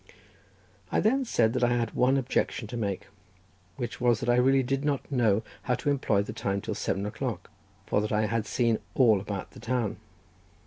I then said that I had one objection to make, which was that I really did not know how to employ the time till seven o'clock, for that I had seen all about the town.